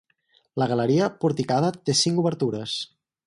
La galeria porticada té cinc obertures.